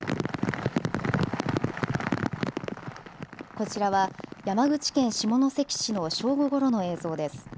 こちらは山口県下関市の正午ごろの映像です。